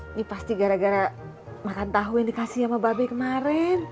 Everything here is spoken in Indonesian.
ini pasti gara gara makan tahu yang dikasih sama babe kemarin